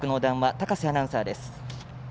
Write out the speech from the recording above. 高瀬アナウンサーです。